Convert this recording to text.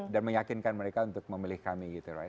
dan meyakinkan mereka untuk memilih kami gitu